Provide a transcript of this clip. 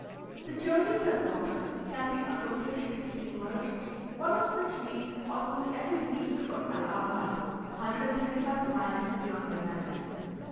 The journey by water can be accomplished in steamers, one of which leaves almost every week for Allahabad (135 miles beyond Benares).